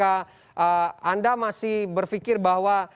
anda masih berpikir bahwa